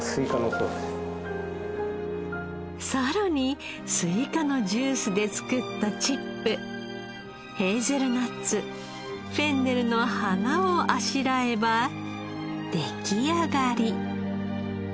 さらにスイカのジュースで作ったチップヘーゼルナッツフェンネルの花をあしらえば出来上がり。